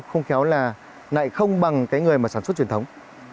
không khéo là lại không bằng cái người mà sản xuất truyền thống